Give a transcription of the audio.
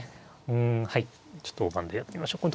うんはいちょっと大盤でやってみましょう。